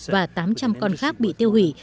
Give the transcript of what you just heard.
và tám trăm linh con khác bị tiêu hủy